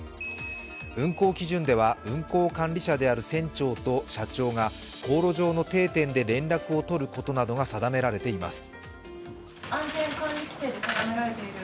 運航基準では運航管理者である船長と社長が航路上の定点で連絡を取ることなどが定められています。